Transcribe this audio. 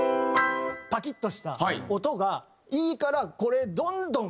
パキッとした音がいいからこれどんどん。